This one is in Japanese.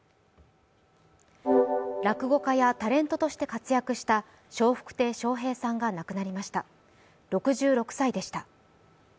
落語家やタレントとして活躍した笑福亭笑瓶さんが亡くなりました。